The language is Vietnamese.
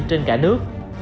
trên cả nước